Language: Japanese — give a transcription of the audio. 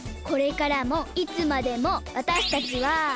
これからもいつまでもわたしたちは。